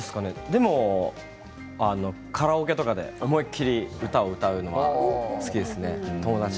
でもカラオケとかで思いっきり歌を歌うのは好きですね。